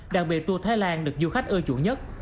đặc biệt tour thái lan được du khách ưa chuộng nhất